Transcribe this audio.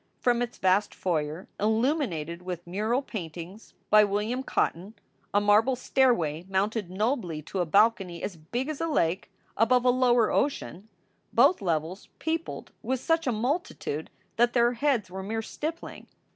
From its vast foyer, illuminated with mural paintings by William Cotton, a marble stairway mounted nobly to a balcony as big as a lake above a lower ocean, both levels peopled with such a multitude that their heads were mere stippling.